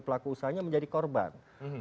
pelaku usahanya menjadi korban